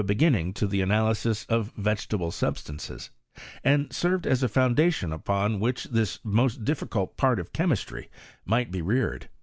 beginning to the analysis of vegetable substances, and served as a foandation upon which this most difficult part of chemistry might be reared.